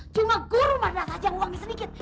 cuma guru mana saja yang uangnya sedikit